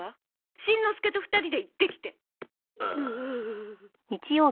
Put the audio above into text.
しんのすけと２人で行ってきて。